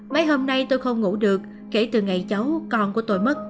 mấy hôm nay tôi không ngủ được kể từ ngày cháu con của tôi mất